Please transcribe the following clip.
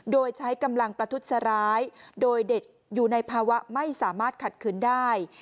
โดยใช้กำลังประทุษร้ายโดยเด็กอยู่ในภาวะไม่สามารถขัดขืนได้